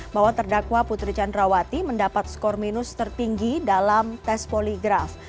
bahwa terdakwa putri candrawati mendapat skor minus tertinggi dalam tes poligraf